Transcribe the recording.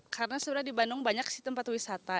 karena sebenarnya di bandung banyak tempat wisata